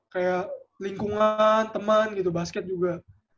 kayak lingkungan teman gitu basket juga